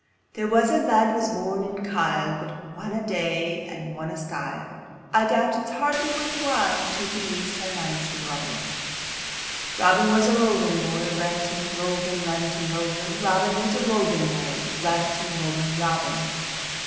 There was a lad was born in Kyle, But whatna day o' whatna style, I doubt it's hardly worth the while To be sae nice wi' Robin. Chor. Robin was a rovin' boy, Rantin', rovin', rantin', rovin', Robin was a rovin' boy, Rantin', rovin', Robin!